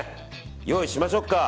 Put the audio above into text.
用意しましょうか。